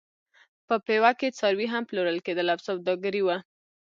په پېوه کې څاروي هم پلورل کېدل او سوداګري وه.